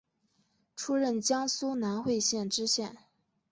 出任江苏南汇县知县。